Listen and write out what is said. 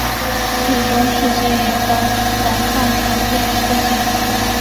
至中世纪以后广泛传遍世界。